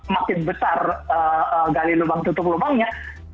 makin besar gali lubang tutup lubangnya